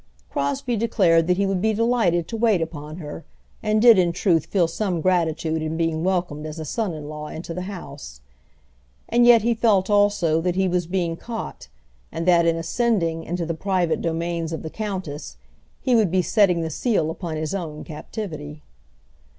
Crosbie declared that he would be delighted to wait upon her, and did in truth feel some gratitude in being welcomed as a son in law into the house. And yet he felt also that he was being caught, and that in ascending into the private domains of the countess he would be setting the seal upon his own captivity.